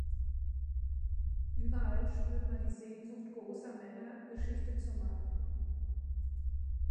Überall spürt man die Sehnsucht großer Männer, Geschichte zu machen.